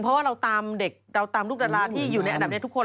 เพราะว่าเราตามเด็กเราตามลูกดาราที่อยู่ในอันดับนี้ทุกคน